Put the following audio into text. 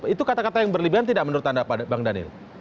itu kata kata yang berlebihan tidak menurut anda bang daniel